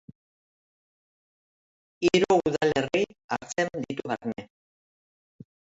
Hiru udalerri hartzen ditu barne.